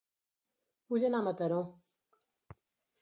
Vull anar a Mataró